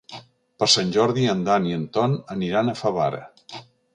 Per Sant Jordi en Dan i en Ton aniran a Favara.